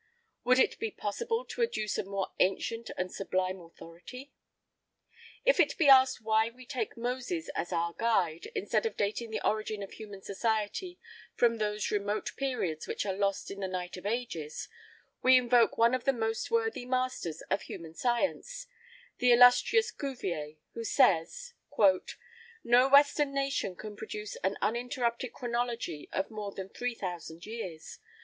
[I 3] Would it be possible to adduce a more ancient and sublime authority? If it be asked why we take Moses as our guide, instead of dating the origin of human society from those remote periods which are lost in the night of ages, we invoke one of the most worthy masters of human science the illustrious Cuvier who says: "No western nation can produce an uninterrupted chronology of more than three thousand years.